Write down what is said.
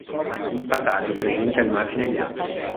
Il patagio presenta il margine bianco.